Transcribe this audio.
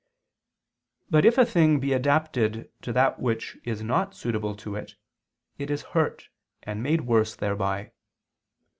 But if a thing be adapted to that which is not suitable to it, it is hurt and made worse thereby.